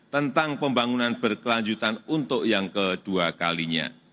tentang pembangunan berkelanjutan untuk yang kedua kalinya